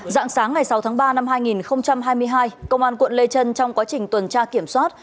dạng sáng ngày sáu tháng ba năm hai nghìn hai mươi hai công an quận lê trân trong quá trình tuần tra kiểm soát